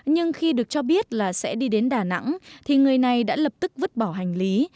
nhưng khi được cho biết là sẽ đi đến đà nẵng thì người này đã lập tức vứt bỏ hành lý